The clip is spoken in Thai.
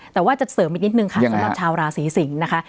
แต่ว่าจะเสริมอีกนิดนึงค่ะสำหรับชาวราศีสิงศ์นะคะ